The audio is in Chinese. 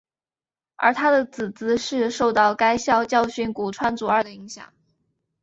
而他的姊姊是受到该校教授古川竹二的影响。